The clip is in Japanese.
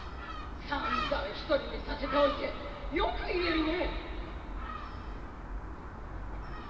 さんざんひとりにさせておいてよく言えるね！